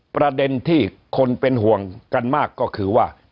ประเด็นที่คนเป็นห่วงกันมากก็คือว่า